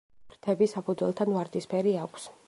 ფრთები საფუძველთან ვარდისფერი აქვს.